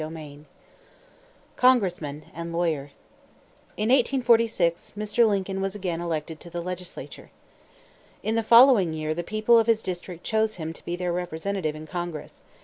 XI. CONGRESSMAN AND LAWYER. In 1846, Mr. Lincoln was again elected to the legislature. In the following year the people of his district chose him to be their representative in Congress.